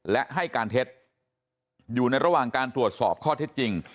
และให้การเท็จอยู่ในระหว่างการตรวจสอบข้อเท็จจริง